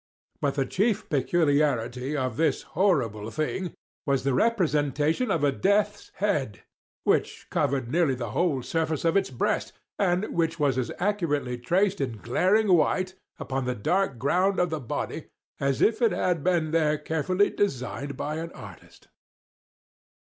But the chief peculiarity of this horrible thing was the representation of a Death's Head, which covered nearly the whole surface of its breast, and which was as accurately traced in glaring white, upon the dark ground of the body, as if it had been there carefully designed by an artist.